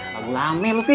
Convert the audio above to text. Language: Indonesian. kamu lamil fi